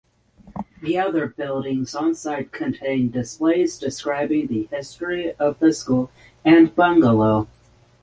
The other buildings onsite contain displays describing the history of the school and bungalow.